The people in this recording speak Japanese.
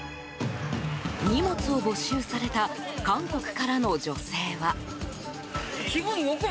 荷物を没収された韓国からの女性は。